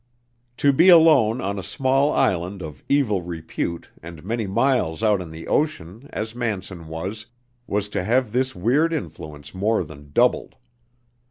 To be alone on a small island of evil repute and many miles out in the ocean, as Manson was, was to have this weird influence more than doubled.